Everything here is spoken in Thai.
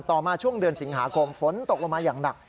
มาช่วงเดือนสิงหาคมฝนตกลงมาอย่างหนัก